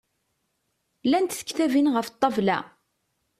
Llant tektabin ɣef ṭṭabla?